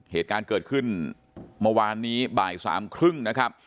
เหตุการณ์เกิดขึ้นเมื่อวานนี้บ่ายสามครึ่งนะครับ